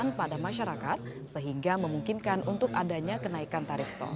yang pada masyarakat sehingga memungkinkan untuk adanya kenaikan tarif tol